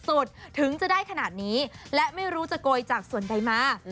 ถึงจะได้ขนาดนี้และไม่รู้จะโกยจากส่วนใดมา